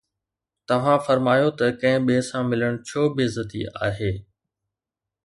توهان فرمايو ته ڪنهن ٻئي سان ملڻ ڇو بي عزتي آهي؟